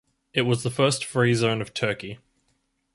It was the first free zone of Turkey.